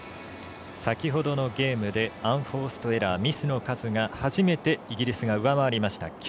先ほどのゲームでアンフォーストエラーミスの数が始めてイギリスが上回りました、９。